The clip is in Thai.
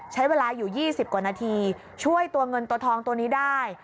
ใช้เวลาอยู่๒๐กว่านาทีช่วยตัวเงินตัวทองตัวนี้ได้